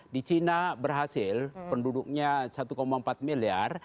di cina berhasil penduduknya satu empat miliar